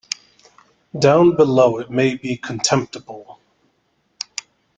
Down below it may be contemptible.